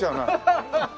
ハハハハ！